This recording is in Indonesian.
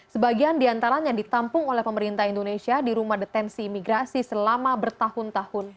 sebagian diantaranya ditampung oleh pemerintah indonesia di rumah detensi imigrasi selama bertahun tahun